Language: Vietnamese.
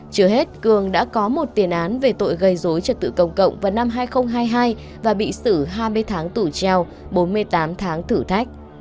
trước hết cường đã có một tiền án về tội gây dối trật tự công cộng vào năm hai nghìn hai mươi hai và bị xử hai mươi tháng tù treo bốn mươi tám tháng thử thách